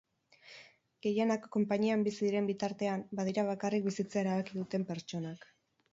Gehienak konpainian bizi diren bitartean, badira bakarrik bizitzea erabaki duten pertsonak.